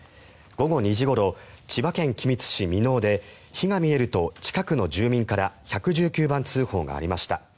午後２時ごろ千葉県君津市三直で火が見えると近くの住民から１１９番通報がありました。